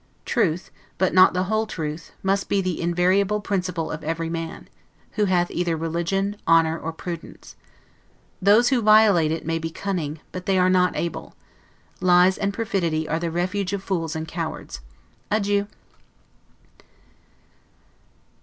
Truth, but not the whole truth, must be the invariable principle of every man, who hath either religion, honor, or prudence. Those who violate it may be cunning, but they are not able. Lies and perfidy are the refuge of fools and cowards. Adieu!